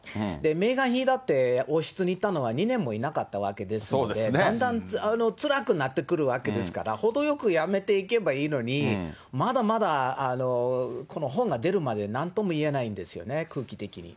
メーガン妃だって王室にいたのは２年もいなかったわけですので、だんだんつらくなってくるわけですから、ほどよくやめていけばいいのに、まだまだこの本が出るまでなんとも言えないんですよね、空気的に。